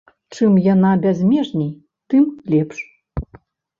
Чым яна бязмежней, тым лепш.